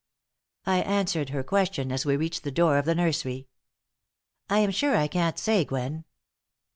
I answered her question as we reached the door of the nursery: "I am sure I can't say, Gwen.